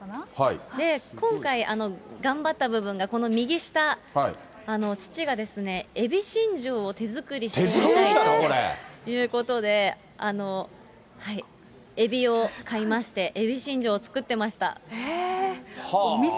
今回、頑張った部分がこの右下、父がエビしんじょうを手作りしたということで。ということで、エビを買いまして、エビしんじょうを作ってました。